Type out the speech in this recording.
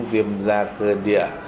viêm da cơ địa